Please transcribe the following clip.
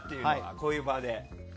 こういう場で。